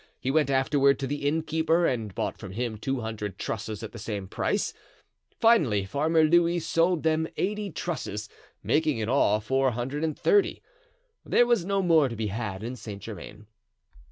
He went afterward to the innkeeper and bought from him two hundred trusses at the same price. Finally, Farmer Louis sold them eighty trusses, making in all four hundred and thirty. There was no more to be had in Saint Germain.